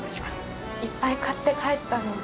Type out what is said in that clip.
いっぱい買って帰ったので。